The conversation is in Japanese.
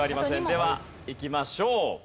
ではいきましょう。